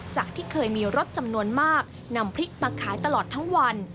จากที่เคยมีรถจำนวนมากนำพริกมาขายตลอดทั้งวัน